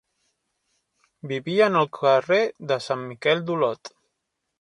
Vivien al carrer de Sant Miquel d'Olot.